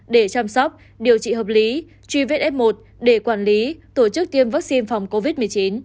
để chăm sóc điều trị hợp lý truy vết f một để quản lý tổ chức tiêm vaccine phòng covid một mươi chín